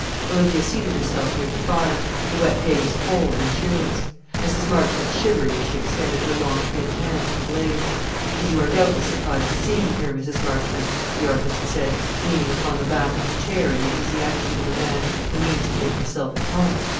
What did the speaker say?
Olivia seated herself near the fire. The wet day was cold and cheerless. Mrs. Marchmont shivered as she extended her long thin hand to the blaze. "And you are doubtless surprised to see me here, Mrs. Marchmont?" the artist said, leaning upon the back of his chair in the easy attitude of a man who means to make himself at home.